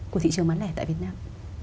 của thị trường bán lẻ tại việt nam